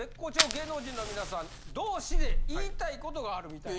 芸能人の皆さん同士で言いたいことがあるみたい。